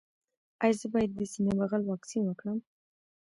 ایا زه باید د سینه بغل واکسین وکړم؟